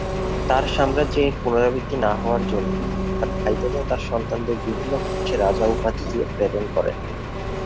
তার সাম্রাজ্যে এর পুনরাবৃত্তি না হওয়ার জন্য তিনি তার ভাইদের ও তাদের সন্তানদের বিভিন্ন প্রদেশে রাজা উপাধি দিয়ে প্রেরণ করেন।